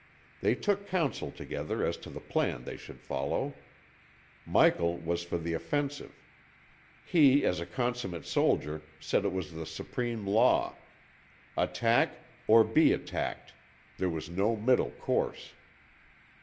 They took counsel together as to the plan they should follow. Michael was for the offensive. He, as a consummate soldier, said it was the supreme law. Attack, or be attacked, there was no middle course.